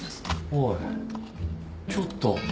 おいちょっと。